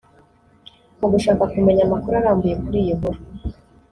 Mu gushaka kumenya amakuru arambuye kuri iyi nkuru